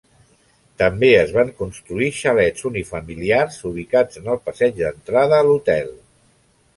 També es van construir xalets unifamiliars ubicats en el passeig d'entrada a l'hotel.